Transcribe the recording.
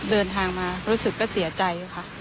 เดินทางมารู้สึกก็เสียใจค่ะ